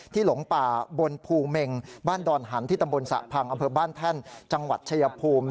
หลงป่าบนภูเมงบ้านดอนหันที่ตำบลสระพังอำเภอบ้านแท่นจังหวัดชายภูมิ